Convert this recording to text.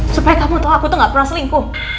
supaya kamu tahu aku tuh gak pernah selingkuh